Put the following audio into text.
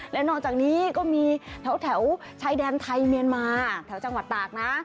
และนอกจากนี้ก็มีแถวชายแดนไทยเมียนมาแถวจังหวัดตากนะ